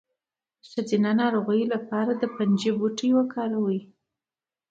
د ښځینه ناروغیو لپاره د پنجې بوټی وکاروئ